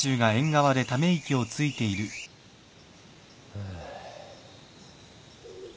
ハァ。